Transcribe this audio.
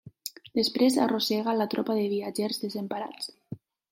Després arrossega la tropa de viatgers desemparats.